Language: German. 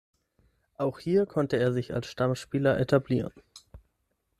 Auch hier konnte er sich als Stammspieler etablieren.